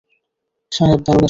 সাহেব, দারোগা সাহেব।